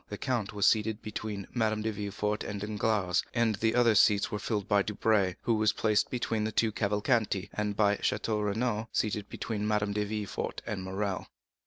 The count was seated between Madame de Villefort and Danglars; the other seats were filled by Debray, who was placed between the two Cavalcanti, and by Château Renaud, seated between Madame de Villefort and Morrel.